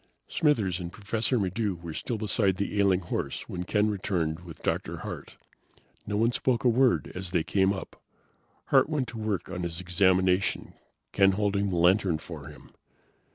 Smithers and Professor Maddox were still beside the ailing horse when Ken returned with Dr. Hart. No one spoke a word as they came up. Hart went to work on his examination, Ken holding the lantern for him.